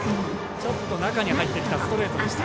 ちょっと中に入ってきたストレートでした。